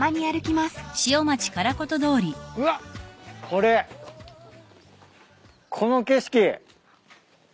この景色。